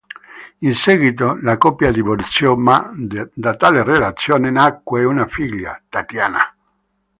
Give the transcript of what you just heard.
In seguito la coppia divorziò, ma da tale relazione nacque una figlia, Tatiana.